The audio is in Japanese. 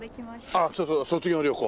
あっそうそう卒業旅行。